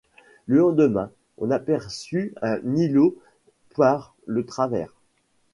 Le lendemain, on aperçut un îlot par le travers.